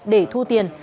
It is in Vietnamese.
để thu tiền